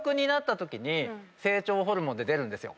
成長ホルモンって出るんですよ。